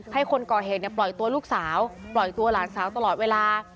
ให้คนก่อเหตุปล่อยตัวลูกสาวปล่อยตัวหลานสาวตลอดเวลา